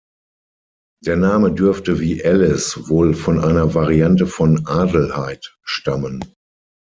Der Name dürfte wie Alice wohl von einer Variante von Adelheid stammen.